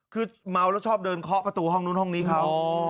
คือเมาแล้วชอบเดินเคาะประตูห้องนู้นห้องนี้เขา